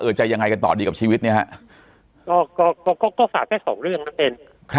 จะยังไงกันต่อดีกับชีวิตเนี่ยฮะก็ก็ฝากแค่สองเรื่องนั่นเอง